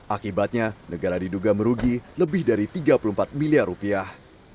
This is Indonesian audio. akibatnya negara diduga merugi lebih dari tiga puluh empat miliar rupiah